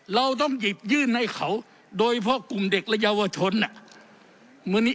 เราต้องหยิบยื่นให้เขาโดยเฉพาะกลุ่มเด็กและเยาวชน